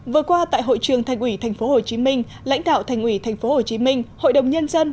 vừa qua tại hội trường thành ủy tp hcm lãnh đạo thành ủy tp hcm hội đồng nhân dân